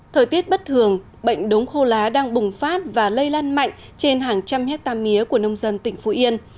thời tiết bất thường bệnh đống khô lá đang bùng phát và lây lan mạnh trên hàng trăm hectare mía của nông dân tỉnh phú yên